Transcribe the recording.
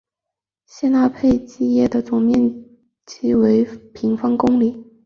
谢讷帕基耶的总面积为平方公里。